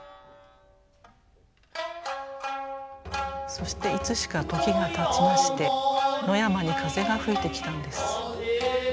そしていつしか時がたちまして野山に風が吹いてきたんです。